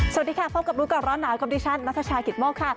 สวัสดีค่ะพบกับรู้ก่อนร้อนหนาวกับดิฉันนัทชายกิตโมกค่ะ